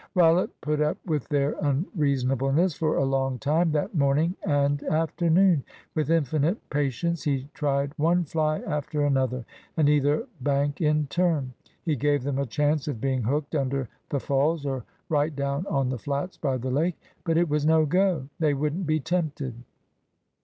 Rollitt put up with their unreasonableness for a long time that morning and afternoon. With infinite patience he tried one fly after another, and either bank in turn. He gave them a chance of being hooked under the falls, or right down on the flats by the lake. But it was no go. They wouldn't be tempted.